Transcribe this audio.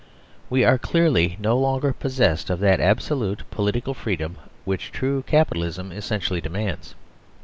We are clearly no longer possessed of that absol utely political freedom which true Capitalism essen tially demands.